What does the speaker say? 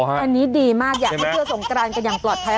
อันนี้ดีมากอยากให้เที่ยวสงกรานกันอย่างปลอดภัย